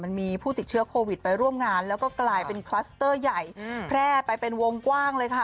มันมีผู้ติดเชื้อโควิดไปร่วมงานแล้วก็กลายเป็นคลัสเตอร์ใหญ่แพร่ไปเป็นวงกว้างเลยค่ะ